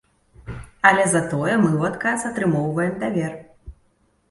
Але затое мы ў адказ атрымоўваем давер.